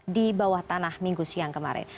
di bawah tanah minggu siang kemarin